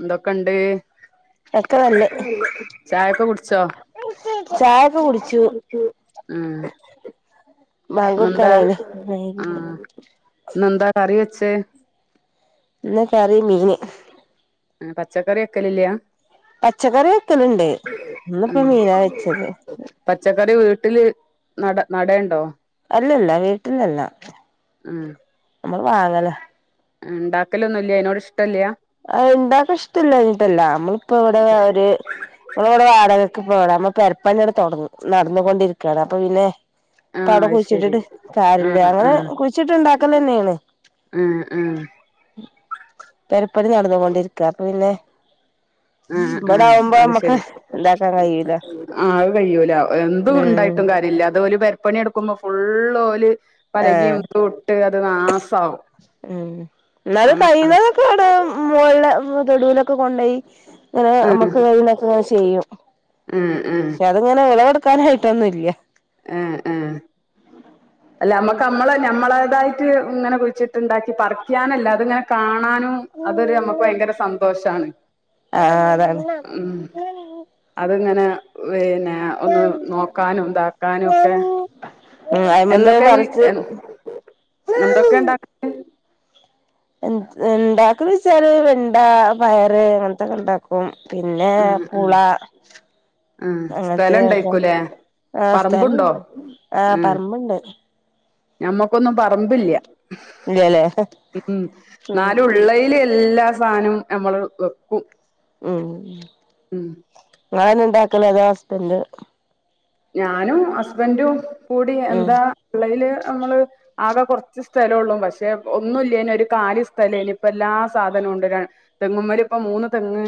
എന്തൊക്കെണ്ട് ഒക്കെ നല്ലേ ചായൊക്കെ കുടിച്ചോ ചായ ഉം ബാങ്ക് ന്നെന്താ കൊടുക്കാനായിണ് ആഹ് ന്നെന്താ കറി വെച്ച് ഇന്ന് കറി മീന് ആഹ് പച്ചക്കറി വെക്കെലില്ല പച്ചക്കറി വെക്കലുണ്ട് ഇന്ന്പ്പ ഉം മീനാ വെച്ചത് പച്ചക്കറി വീട്ടില് നട നടയേണ്ടോ അല്ലല്ല വീട്ടിലല്ല നമ്മള് വാങ്ങല ഉണ്ടാക്കലൊന്നുല്ല അതിനോട് ഇഷ്ടല്ല അഹ് ഇണ്ടാക്കാൻ ഇഷ്ടല്ല ഞ്ഞിട്ടല്ല നമ്മളിപ്പോ ഇവിടെ ഒരു നമ്മള ഇവിടെ വാടകക്കെ പോട അമ്മ പെരപ്പണിടെ തുടുങ്ങും നടന്നുകൊണ്ടിരിക്കുവയാണ് അപ്പൊ പിന്നെ ആഹ് പ്പവിടെ അത് ശരി കുഴിച്ചിട്ടിട്ട് കര്യല്ല ആഹ് അങ്ങനെ ആഹ് കുഴിച്ചിട്ട് ഉണ്ടാക്കല തന്നെയാണ് ആഹ് ആഹ് പണി നടന്നുകൊണ്ടിരിക്ക അപ്പോ പിന്നെ ആഹ് ആഹ് ഇടാവുമ്പ അത് മക്ക ശരി ദാക്ക കായില്ല ആഹ് ആത് കഴൂല എന്തും ഉണ്ടായിട്ടും കാര്യമില്ല അത് പെരിപ്പണി എടുക്കുമ്പോ ഫുള്ളോൽ പലകിം ആഹ് തു ഇട്ട് അത് നാസവും അങ്ങനെണ് ഇപ്പ അവിടെ മോളില തൊടുലൊക്കെ കൊണ്ടുപോയി ആഹ് നമ്മക്ക് ഇങ്ങനെക്കെ ചെയ്യും ആഹ് ആഹ് പക്ഷെ അതിങ്ങനെ വിളവെടുക്കാനായിട്ടൊന്നുല്ല ആഹ് ആഹ് അല്ല നമ്മക്ക് നമ്മള് നഞമ്മളേതായിട്ട് ഇങ്ങനെ കുയിച്ചിട്ട്ണ്ടാക്കി പറിക്കാനല്ല അത് ങ്ങനെ കാണാനും അതൊരു നമ്മുക്ക് ഭയങ്കര സന്തോഷാണ് ആഹ് അതാണ് ഉം അത്ങ്ങനെ പിന്നെ ഒന്ന് നോക്കാനും ഇതാക്കാനും ഒക്കെ ഉം അയിമെന്ന് എന്തൊക്കെ കുഴി പറിച്ച് എന്തൊക്കെ ഇണ്ടാ എണ്ടാക്ക വെച്ചാല് വെണ്ട പയറ് അങ്ങനത്തക്കെ ഉണ്ടാക്കും പിന്നെ ആഹ് പുള ആഹ് ആഹ് സ്ഥലം ഉണ്ടായിക്കൂലേ ആഹ് സ്ഥലംണ്ട് ആഹ് പറമ്പണ്ട് ഞമ്മക്കൊന്നും പറമ്പില്ല ഇല്ലല്ലേ ഉം നാല ഉം ഉള്ളല എല്ലാ സാനവും നമ്മള് വെക്കും ഉം ഉം നിങ്ങള് ഉണ്ടാക്കലേ അതോ ഹസ്ബന്ഡ് ഞാനും ഹസ്ബൻറും കൂടി ഉം എന്താ ഉള്ളയില് നമ്മള് ആകെ കുറച്ച് സ്ഥലമ ഉള്ളൂ പക്ഷെ ഒന്നുമില്ലേന ഒരു കാലി സ്ഥലം ലേനി ഇപ്പ എല്ലാ സാധനവും കൊണ്ടരാാണ് തെങ്ങുമമാരി ഇപ്പൊ മൂന്ന് തെങ്ങ്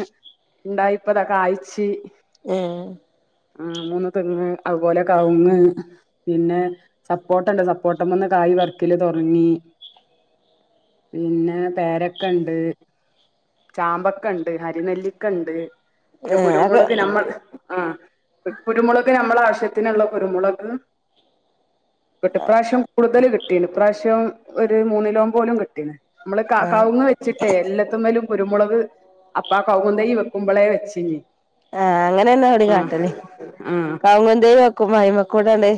ഉണ്ടായിപ്പ ഇതൊക്കെ അഴച്ച ഏഹ് ഏഹ് ആഹ മൂന്ന് തെങ്ങ് അതുപോലെ കവുങ്ങ് പിന്നെ സപ്പോട്ടുണ്ട് സപ്പോട്ടം ഒന്ന് കായ് പറിക്കല് തുടങ്ങി പിന്നെ പേരക്കുണ്ട് ചാമ്പക്ക ഉണ്ട് അരിനെല്ലിക്ക ഉണ്ട് പിന്നെ അത് കുരുമുളക് നമ്മൾ ആഹ് കുരുമുളക് നമ്മളുടെ ആവശ്യത്തിനുള്ള കുരുമുളക് കെട്ടിപ്രാവശ്യം കൂടുതൽ കിട്ടീ ഇപ്രാവശ്യം ഒരു മൂന്നിലോക പോലും കിട്ടീന് നമ്മള് ആഹ് കാവുങ്ങ് വെച്ചിട്ടേ എല്ലാത്തമ്മേലും കുരുമുളക് അപ്പാ കൗകുന്ത വെക്കുമ്പോളേ വെച്ചിഞ്ഞഞ് ആഹ് അങ്ങനെന്നാ അവിടെ കാട്ടല് ആഹ് കൗങ്കുന്ത വെക്കും അയിമക്കൂടാണ്ട്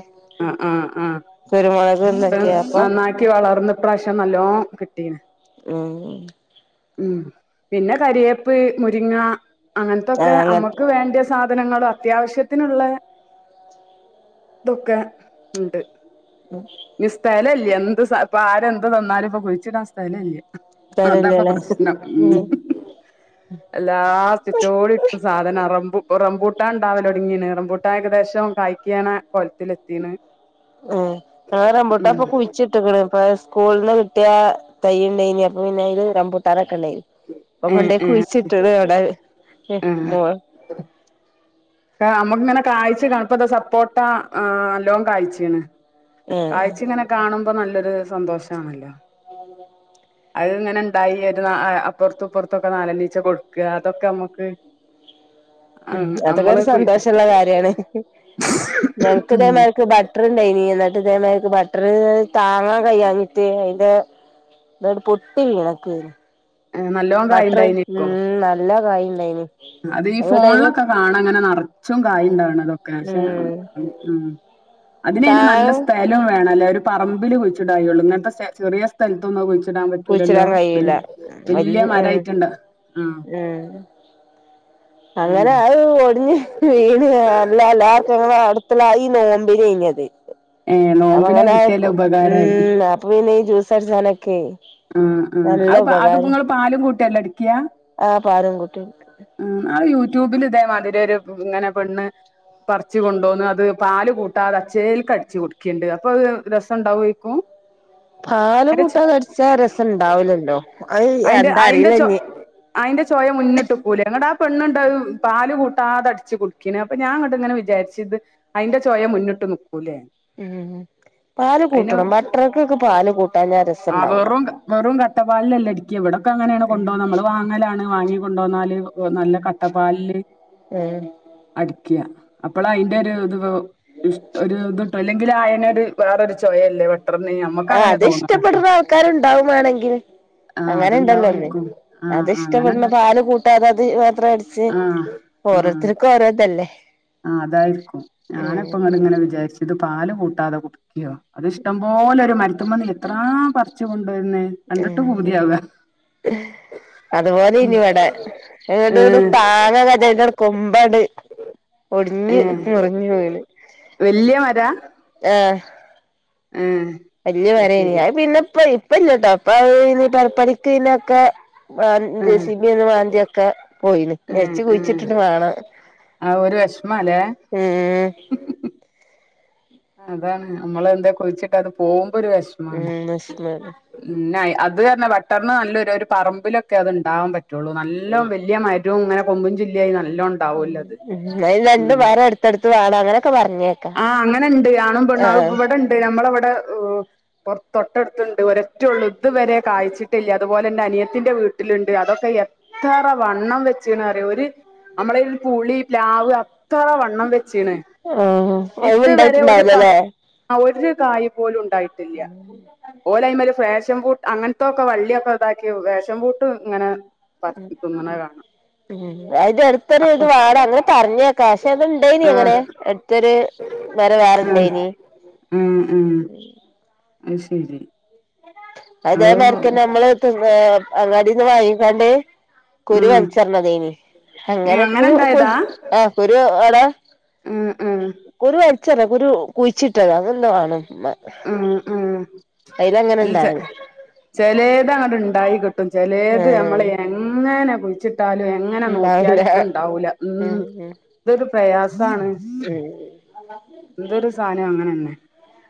ആഹ് ആഹ് ആഹ് കുരുമുളക്ന്നൊക്കെയ അപ്പൊ ആക്കി വളർന്ന ഈ പ്രാവശ്യം നല്ലോ കിട്ടീ ഉം ഉം പിന്നെ കരിയേപ്പ് മുരിങ്ങ അങ്ങനത്തൊക്കെ ആഹ് അമ്മുക്ക് വേണ്ട സാധനങ്ങളും അത്യാവശ്യത്തിനുള്ള ഇതൊക്കെ ഉണ്ട് ഉം ഇ സ്ഥലമില്ല എന്ത് ഇപ്പൊ ആരെന്ത് തന്നാലും ഇപ്പൊ കുഴിച്ചിട ആ സ്ഥലമില്ല അതാഇപ്പ അങ്ങൻത്തോരല്ലല്ലേ പ്രശ്നം ഉ ഉം എല്ലാ ചിറ്റോടി സാധനംറ റമ്പൂട്ടാ ഉണ്ടാവലൂ ഒടുങ്ങിെ റമ്പൂട്ട കട്ട ഏകദേശം കായ്യാണ് കൊലത്തില എത്തിന് മ്മ് ആഞറമ്പോട്ട അപ്പൊ കുിച്ചിട്ടക്കണേപ്പ സ്കൂള് കുട്ട തൈയ്ണ്ടായിനി അപ്പ പിന്നെ ഇത് രാംപൂട്ടരൊക്കെ ഉണ്ടായിരുന്നു ഏഹ് കൊണ്ടേ ഏഹ് കുഴിച്ചിട്ടത് അവിടെ മോ നമ്മുക്കിങ്ങനെ കാഴ്ച കാണുപ്പ ഇത സപ്പോട്ട അല്ലോം കാഴ്ചയാണ് ഏഹ് കാഴ്ച ഇങ്ങനെ കാണുമ്പോ നല്ലൊരു സന്തോഷമാണല്ലോ അത് ഇങ്ങനെ ഉണ്ടായി ഒരു അപ്പുറത്തുംപ്പുറത്തൊക്കെ നാലണ്ഈച്ച കൊടുക്കുക അതൊക്കെ നമുക്ക് ഉ അതൊക്കെ ഒരു കുയ് സന്തോഷമുള്ള കാര്യാണ് ഉം ഞങ്ങക്ക്തക്ക് ബട്ട് ബട്ടർണ്ടായി നീ എന്നിട്ട് ഇതേമാക്ക് ബട്ടർ താങ്ങാൻ കഴിയാഞ്ഞിട്ട് അതിന്റെ എന്നട് പൊട്ടി വീണക്ക നല്ലോൺ കായണ്ടായിക്ക നല്ല കായ് ഉണ്ടായിനി അത് ഈ ഞങ്ങള് ഫോണില ടൈമ് കാണ അങ്ങനെ നിറച്ചും കായ ഉണ്ടാവണം അതൊക്കെ പക്ഷെ ഉം ഉ അതിനന് നല്ല താഴെ സ്ഥലം വേണം അല്ലേ ഒരു പറമ്പിൽ കുഴിച്ചിടായുള്ളൂ ഇങ്ങനത്തെ ചെറിയ സ്ഥലത്തൊന്ന ടാൻ പറ്റൂലല്ലോ കുഴിച്ചിടാൻ കഴിയൂല വല്യ മരയിട്ടുണ്ട് ആഹ് അങ്ങനെയായി ഒടിഞ്ഞ് [unintelligible] ഏ അത് നോമ്പിന് അങ്ങനെ കിട്ടിയല്ലോ ഉപകാരായി ഉം അപ്പൊ പിന്നെ ജൂസർച്ചാനകായ് മ്മ് മ്മ് അ അത്ങ്ങള്ൾ പാലും കൂട്ടിയല്ലോ അടക്കിയ ആഹ് പാലും കൂട്ടി ഉം ആ യൂട്യൂബിൽ ഇതേമാതിരിരു ഇങ്ങനെ പെണ്ണ് പറിച്ചു കൊണ്ടോന്ന് അത് പാല് കൂട്ടാ അത് അച്ചേലക്ക്ടിച്ചു കൊടുക്കിണ്ട് അപ്പൊ രസം ഉണ്ടാവോക്കും പാല് കൂട്ടാതെ അടിച്ച രസംമുണ്ടാവലല്ലോ അയിന്റെ അയിന്റെ ചൊ അയിന്റെ ചോയ മുന്നിട്ടികൂലെ ങ്ങ്ടാപെണ്ണ്ണ്ടത് പാല് കൂട്ടാത അടിച്ചു കുടിക്കിന് അപ്പൊ ഞാൻ ഇങണ്ടി ങ്ങനെ വിചാരിച്ചിത് അയിന്റെ ചൊയ മുന്നിട്ട്ക്കൂല്ലേ ഉം പാല് കൂട്ടണം ബട്ടർക്കൊക്കെ പാല് കൂട്ടാഞാൽ ആ രസംണ്ടാവൂലാ വെറും വെറും കട്ടപ്പാലിലല്ലേ അടിക്ക എവിടൊക്കെ അങ്ങനെയാണ് കൊണ്ടുപോണത് നമ്മള് വാങ്ങലാണ് വാങ്ങി കൊു പോന്നാല് നല്ല കട്ടപാലില് ഉം അടിക്കാ അപ്പോൾ അയിന്റെ ഒരു ഇത് ഇ ഒരു ഇത്ട്ടോ അല്ലെങ്കിൽ അയാനൊരു വേറൊരു ചോയല്ലേ അത്ര നീ നമ്മക്ക അങ്ങനെ തോന്ന്ണ്ട്ടോ ആക്കണ്ടാവുവാണെങ്കിൽ അങ്ങനെ ഉണ്ടല്ലോല്ലേ അതുണ്ടാവേക്കും ആ അങ്ങനെണ്ട അത്ഷ്ടപ്പെെടുന്ന പല് കൂ തത് മാത്ര അടിച്ച് ആ ഓരോരുത്തർക്കും ഓരോ ഇതല്ലേ ആ അതായിരിക്കും ഞാനിപ്പ ഇ ഇങ്ങനെ വിചാരിച്ചു ഇത് പാല് കൂട്ടാതെ കുടിക്കിയോ അത്ഷ്ട പോഓലെൊരു മരുത്തുമന്നി എത്ര പറിച്ചു കൊണ്ടുവ വരുന്നേ കണ്ടിട്ട് ഉം പൂതിയാവുക അതുപോലെ ഇനി ഇവടെ ഇട്ട് ഏഹ് താങ്ങ ക കൊമ്പട് ഒടിഞ്ഞ് ഏഹ് മുറിഞ്ഞു വീണ് വല്യ ആ ഉം വല്യ പേരെന്നി പിന്നെ ഇപ്പ ഇപ്പല്ലാട്ടോ ഇപ്പ ഈ പെരപ്പണിക്ക് പിനൊക്കെ വ ജെസീബി വന്ന് മാന്തിയൊക്കെ പോയിന് ഏ നെച്ച് ഏ കുഴിച്ചിട്ടിട്ട് വേണം വെഷ്മാലേ ഉം അതാണ് നമ്മളെന്താ കൊഴിച്ചിട്ട് അത് പോകുമ്പോ ഒരു വിഷം ഉം വെഷമം പിന്ന അത് തന്നെ ബട്ടറി നല്ലൊരു ഒരു പറമ്പിലൊക്കെ അത് ഉണ്ടാവാൻ പറ്റൊള്ളൂ നല്ല ഉം വല്യ ഒരു അങ്ങന കൊമ്പും ചില്ലിയായി നല്ലോം ഉണ്ടാവുല്ലോ അത് ഉ രണ്ടു ഉം മരം അടുത്തടുത്ത് വാണം അങ്ങനെയൊക്കെ പറഞ്ഞ് ആഹ് അങ്ങനെ ഉണ്ട് ആണുംപെണും ഇവിടെണ്ട് നമ്മള ഇവ്ടെ പുറ തൊട്ടടുത്തുണ്ട് ഒര ഒറ്റ ഉള്ളൂ ഇത്വരെ കായ്ചിട്ടില്ല അതുപോലെ തന്നെ അനിയത്തിന്റെ വീട് ല്ണ്ട് അതൊക്കെ എത്ര വണ്ണം വച്ചു വച്ചീ അറിയൊ ഒരു നമ്മളെ ഒരു പുളി പ്ലാവ് അത്രറ വണ്ണം വെച്ചണ് ആഹ അവ ഉണ്ടായിട്ടുണ്ടാവലല്ലേ ആ ഒരു കായ് പോലും ണ്ടായിട്ടില്ല ഓലായ്മല് ഫേഷം ഫ്രൂ അങ്ങനത്തൊക്കെ വള്ളിയൊക്കെ ഇതാക്കി ഫേഷം ഫ്റൂട്ട് ഇങ്ങനെ പറിച് തിന്നണയ് കാണാ ഉ അത് അടുത്തൊരു ഇത് വാണം അങ്ങനെ പറഞ്ഞേക്കാം പക്ഷെ അത്ണ്ടന അങ്ങനെ ആഹ് ഇത്തരു വര ആഹ് വേറണ്ടായിനി അ ശരി അതേ അത് മരിക്കനമ്മള് അങ്ങാടിന്ന് വാങ്ങിക്കാണ്ടേ കുരു ആഹ് വലിച്ചെറിണതേനി ഏ അങ്ങനെ ഇണ്ടായതാ ആരു അടാ ഉം ഉം ഒരു വലിച്ചറിഞ്ഞതോ ഒരു കുഴിച്ചിട്ടത് അങ്ങനെന്തോ ആണ് ഇമ്മ ഉ ഉ അല്ല ഇണ്ടായത് ചെലേത് അങ്ങട് ഇണ്ടായിട്ടും ചെലേത് ആഹ് ഞമ്മളെ എങ്ങനാ കുളിച്ചിട്ട ടാലും എങ്ങനെ നോക്കിയാലും ഇണ്ടാവൂല ണ്ടാവൂല ഉം ഇതൊരു പ്രയാസാണ് ഉ ഏതൊരു സാനവും അങ്ങനെന്നെ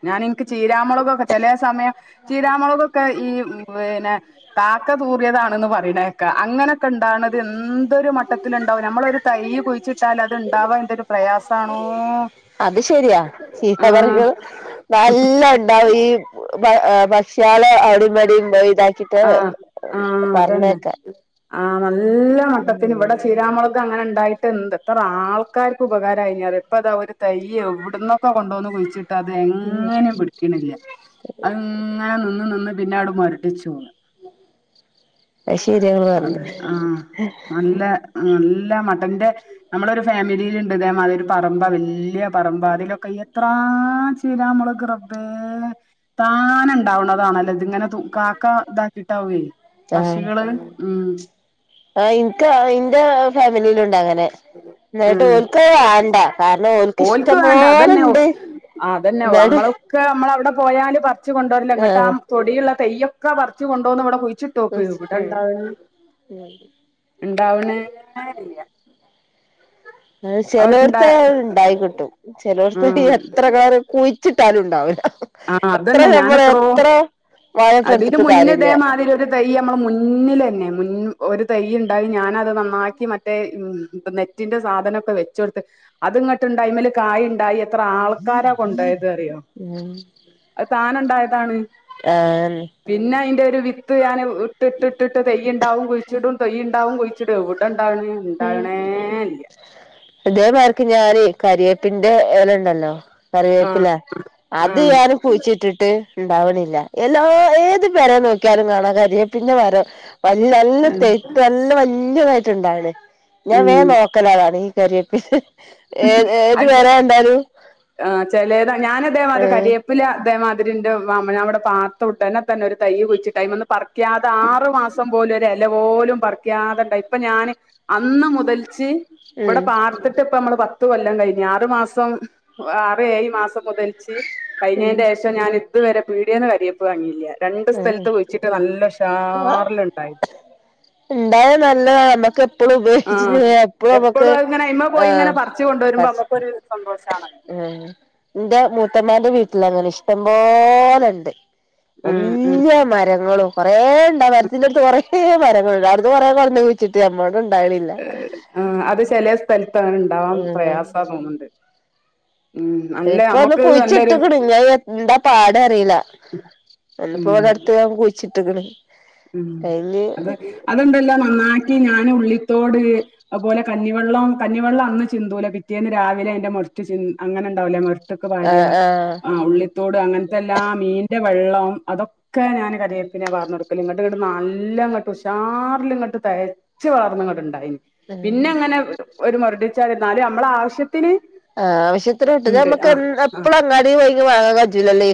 ഞാൻ ഇനിക്ക് ചീരാ മുളകൊക്കെ ചെലേ സമയം ചീരാ മുളകൊക്കെ ഈ പിന്നെ കാക്ക തൂറിയതാണന്ന് പറയണേക്കാ അങ്ങനൊക്കെ ഇണ്ടാവ്ണത് എന്തൊരു മട്ടത്തിലുണ്ടാവും നമ്മളൊരു തൈ കുഴിച്ചിട്ടാൽ അത് ഉണ്ടാവാ എന്തൊരു പ്രയാസാണോ അത് ശരിയാ ചീത്ത പറികൾ ആഹ് നല്ല ഉണ്ടാവും ഈ ഭക്ഷ്യയേളേ അവടിം ഇവടിംപോയി ഇതാക്കി ആഹ് ആ അതന്നെ ആ നല്ല മട്ടത്തിന് ഇവിടെ ഉം ചീരാ മൊളക് അത് അങ്ങനെ ഉണ്ടായിട്ടെന്ത്‌ എത്ര ആൾക്കാര്ക്കുപകാരായിന്നാറിയോ ഇപ്പതാ ഒരു തൈ എവിടന്നൊക്കൊ കൊണ്ടന്ന് കുഴിച്ചി ഉം ട്ടതെങ്ങനെയും പിടിക്ക്ണില്ല അത്ങ്ങനെ നിന്ന് നിന്ന് പിന്നവട് മൊരടിച്ചോവാ അയ്ശെരിയാങ്ങള് പറഞ്ഞത് അതെ ആഹ് നല്ല നല്ല മട്ടന്റെ നമ്മളൊരു ഫാമിലിയില്ണ്ട് ഇതേമാതിരിയൊരു പറമ്പ് വല്യ പറമ്പാ അതിലൊക്കെ എത്രാച്ചാ ചീരാ മൊളക് റബ്ബേ താ [unintelligible] ഇണ്ടാവണതാണല്ലെ ഇതിങ്ങനെ തൂ കാക്ക ഇതാക്കിട്ടാവുവേ ആഹ് പക്ഷികള് ഉം ആഹ് ഇനിക്ക് ഇന്റെ ഫാമിലിയിലുണ്ടങ്ങനെ എന്നിട്ട് ആഹ് ഓൽക്ക് വേണ്ട കാരണം ഓൽക്ക് ഇഷ്ടം പോലെ ഇണ്ട് ആഹ് അതന്നെ അമ്മള് ക്കെ അമ്മളവിടെ പോയാല് പറിച്ച് കൊണ്ട് വരില്ല ഇങ്ങട്ട് ആ ആഹ് തൊടിയുള്ള തൈയ്യൊക്കെ പറിച്ച് കൊണ്ട് വന്ന് ഇവ്ടെ കുയിച്ചി ട്ട് ഉം നോക്കി നോക്കട്ടെ [unintelligible] ഉം ഇണ്ടാവണേ അറിയില്ല അത് അവരുണ്ടാ ചെലേടത്ത് ഇണ്ടായിക്കിട്ടും ചെലേടത്ത് കിട്ടി ആഹ് എത്ര [unintelligible] കുയിച്ചിട്ടാലുണ്ടാവില്ല ആഹ് എത്ര അതന്നെ ഞമ്മള് ഞാനെത്രോ എത്ര വളം ഇട്ട് അതിന് കൊട്ത്തിട്ടും മുന്നേ കാര്യല്ല ഇതേമാതിരി ഒരു തൈ അമ്മള മുന്നിലന്നെ മുൻ ഒരു തൈയ്ണ്ടായി ഞാനത് നന്നാക്കി മറ്റേ നെ റ്റിന്റെ സാധനൊക്കെ വെച്ച് കൊടുത്ത് അത് ഇങ്ങോട്ട്ണ്ടായി അയ്മേല് കായ്ണ്ടായി എത്ര ആൾക്കാരാ കൊണ്ടോയത് അറിയോ ഏഹ് അത് താനെ ഉണ്ടായതാണ് ഏഹ് പിന്നെ അയിന്റൊരു വിത്ത് ഞാന് ഇട്ട്ട്ട്ട്ട്ട്ട് തൈയ്യ്ണ്ടാവും കുയിച്ചിടും തൈയ്യ്ണ്ടാവും കുയിച്ചിടും എവിടെണ്ടാവണ് ഉം ഇതേമാരിക്ക് ഞാനേ കരിവേപ്പിന്റെ എലയുണ്ടല്ലോ കറിവേപ്പില ആഹ് അത് ആഹ് ഞാന് കുയിച്ചിട്ടിട്ട് ഇണ്ടാവണില്ല എല്ലാ ഏത് പെരെ നോക്കിയാലും കാണാം കരിവേപ്പിന്റെ മരം വൽ നല്ല ഉം തൈ ക് നല്ല വല്യതായിട്ട്ണ്ടാകണ് ഞാൻ ഉം വേഗം നോ ക്കലാണ് അതാണീ കരിയെപ്പ് അത് ചെ ആഹ് ചെലേര് ഞാൻ അതേമാരി ഉം കരിയെ പ്പില അതേ മാതിരിയെന്റെ മാമന് അവിടെ പാത്തു ഉടനെ തന്നൊരു തൈയ് കുഴിച്ച ടൈമൊന്ന് പറ ക്കാതെ ആറു മാസം പോലും ഒരെല പോലും പറിക്കാതെ ഇണ്ടായി ഇപ്പൊ ഞാന് അന്ന് മുതൽച്ച് ഉം ഇവിടെ പാർത്തിട്ട് ഇപ്പമ്മള് പത്ത് കൊല്ലം കയിഞ്ഞ് ആറ് മാസം ആറ് ഏയ് മാസൊക്ക കയിച്ച് കയിഞ്ഞേന്റെ ആഴ്ച ഞാൻ ഇതുവരെ പീടിയേന്ന് കരിയേ പ്പ് വാങ്ങീലാ രണ്ട് ഉം സ്ഥലത്ത് കുയിച്ചിട്ട് നല്ല ഉഷാറില്ണ്ടായി ഇണ്ടായ നല്ലതാ നമ്മക്ക് എപ്പഴും ഉപയോഗിച്ച് ആഹ് എപ്പഴും നമ്മക്ക് എപ്പളും അത്ങ്ങനെ അയ്മേ പോയിങ്ങനെ പറിച്ച്കൊണ്ട് വരുമ്പൊ അമ്മക്കൊരു സന്തോഷാണല്ലോ ഏഹ് എന്റെ മൂത്തമ്മാന്റെ വീട്ടിലങ്ങനെ ഇഷ്ടം പോലണ്ട് ഉം ഉം എല്ലാ മരങ്ങളും കൊറേ ഇണ്ട് ആ മരത്തിന്റട്ത്ത് കൊറേ മരങ്ങള്ണ്ട് അവ്ടുന്ന് കൊറേ മരുന്ന് കുഴിച്ചിട്ട് നമ്മളതും ഉണ്ടാവണില്ല ആഹ് അത് ചെലേ സ്ഥലത്ത് അങ്ങനെ ഇണ്ടാവാൻ ഉം പ്രയാസാ തോന്നണ്ട് ഇപ്പൊ ഒന്ന് നല്ലൊരു കുയിച്ച്ട്ട്ക്കണ് [unintelligible] എന്താ പാട് അറിയില്ല ഒന്നിപ്പോ ഉം ഇവിടട്ത്ത് ഞാൻ ഇപ്പൊ കുഴിച്ചിട്ട്ക്കണ് ഉം അത് അത്ണ്ടല്ലോ നന്നാക്കി ഞാന് ഉള്ളിത്തോട് അത്പോലെ കഞ്ഞിവെള്ളം കഞ്ഞിവെള്ളം അന്ന് ചിന്തൂല പിറ്റേന്ന് രാവിലെ അയിന്റെ [unintelligible] അങ്ങനെയ്ണ്ടാവില്ലേ മൊര [unintelligible] വാരുക ആഹ് ഉള്ളി ത്തോട് അങ്ങനത്തെല്ലാം മീനിന്റെ വെള്ളം അതൊക്കെ ഞാൻ കരിവേപ്പിനെ വാർന്നൊടു [unintelligible] ഇങ്ങട്ട് ഇങ്ങട്ട് നല്ല കെട്ടും ഉഷാറിലിങ്ങട്ട് തയച്ച് വളർന്ന് അങ്ങട്ട് ഉണ്ടായിന് പിന്നങ്ങനെ ഒരു മൊരടിച്ചാല് എന്നാല് നമ്മള ആവശ്യത്തിന് ആഹ് ആവശ്യത്തിന് കിട്ടും ഇത് ഇണ്ട് നമ്മക്ക് എൻ ആഹ് ആഹ് എപ്പളും അങ്ങാടി പോയിട്ട് വാങ്ങാൻ കജ്ജൂലല്ലേ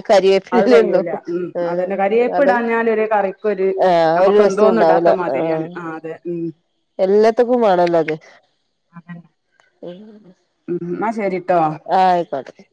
അത് കയ്യൂല ഉം അതന്നെ കറിവേപ്പ് അത് ഇടാഞ്ഞാല് ഒരു കറിക്ക് ഒരു ആഹ് ഒരു നമുക്കൊ രസോം തോന്നും ഇടാത്ത മാതിരിയാണ് ആഹ അതെ ഉം എല്ലത്ത്ക്കും വേണല്ലോ അത് ഉം ഉ എന്നാ ശരിട്ടോ ആ അയിക്കോട്ടെ